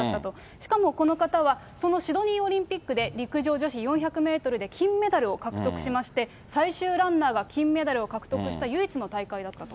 しかもこの方は、そのシドニーオリンピックで、陸上女子４００メートルで金メダルを獲得しまして、最終ランナーが金メダルを獲得した唯一の大会だったと。